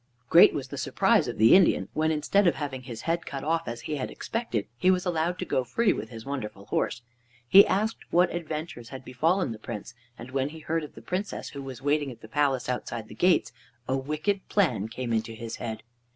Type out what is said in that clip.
Great was the surprise of the Indian when, instead of having his head cut off as he had expected, he was allowed to go free with his wonderful horse. He asked what adventures had befallen the Prince, and when he heard of the Princess who was waiting in the palace outside the gates, a wicked plan came into his head.